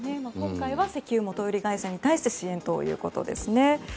今回は石油元売り会社に対しての支援ということですね。